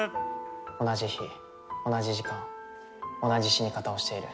同じ日、同じ時間、同じ死に方をしている。